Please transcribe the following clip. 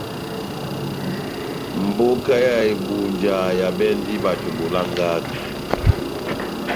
Mbóka ya Ebunja ehabɛndi bato bolangaka.